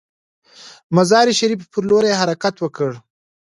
مزار شریف پر لور حرکت وکړ.